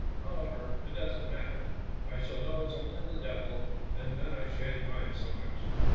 However, it doesn't matter; I shall know it's only the Devil, and then I shan't mind so much!